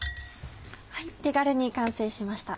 手軽に完成しました。